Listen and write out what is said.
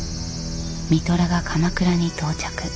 三寅が鎌倉に到着。